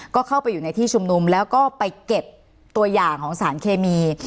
ก็เข้าไปอยู่ในที่ชุมนุมแล้วก็ไปเก็บตัวอย่างของสารเคมี